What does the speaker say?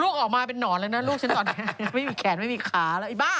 ออกมาเป็นนอนแล้วนะลูกฉันตอนนี้ไม่มีแขนไม่มีขาแล้วไอ้บ้า